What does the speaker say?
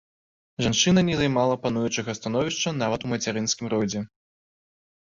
Жанчына не займала пануючага становішча нават у мацярынскім родзе.